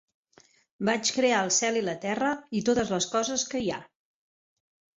Vaig crear el cel i la terra, i totes les coses que hi ha.